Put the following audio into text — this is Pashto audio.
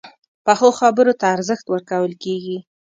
پخو خبرو ته ارزښت ورکول کېږي